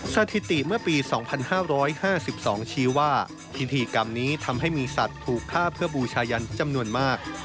สถิติเมื่อปี๒๕๕๒ชี้ว่าพิธีกรรมนี้ทำให้มีสัตว์ถูกฆ่าเพื่อบูชายันจำนวนมาก